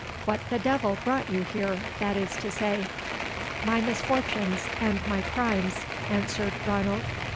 what the devil brought you here, that is to say?" "My misfortunes and my crimes," answered Ranald.